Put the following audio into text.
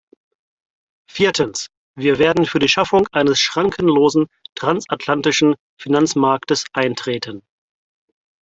Viertens, wir werden für die Schaffung eines schrankenlosen transatlantischen Finanzmarktes eintreten.